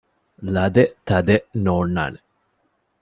ލަދެއް ތަދެއް ނޯންނާނެ